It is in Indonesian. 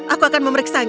aku akan memeriksanya